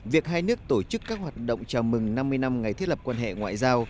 việc hai nước tổ chức các hoạt động chào mừng năm mươi năm ngày thiết lập quan hệ ngoại giao